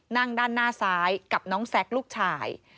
นั่งด้านหน้าซ้ายกับน้องแซคลูกชาย